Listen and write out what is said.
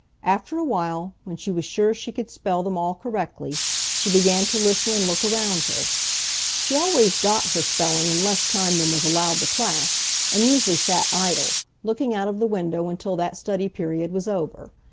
After a while, when she was sure she could spell them all correctly, she began to listen and look around her. She always "got" her spelling in less time than was allowed the class, and usually sat idle, looking out of the window until that study period was over.